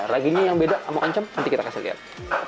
raginya yang beda sama kencem nanti kita kasih lihat